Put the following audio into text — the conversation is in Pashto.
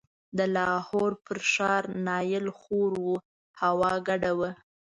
د لاهور پر ښار نایل خور و، هوا ګډه وه.